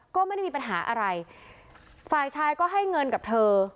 ก็ไม่ได้มีปัญหาอะไรฝ่ายชายก็ให้เงินกับเธอ